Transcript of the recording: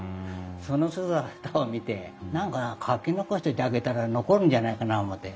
その姿を見て何か描き残しといてあげたら残るんじゃないかな思て。